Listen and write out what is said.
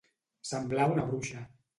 Semblar una bruixa.